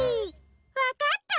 わかった？